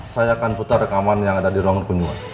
saya akan putar rekaman yang ada di ruangan kunjungan